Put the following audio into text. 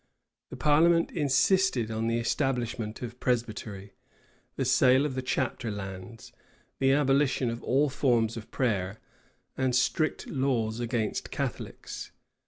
The parliament insisted on the establishment of Presbytery, the sale of the chapter lands, the abolition of all forms of prayer, and strict laws against Catholics.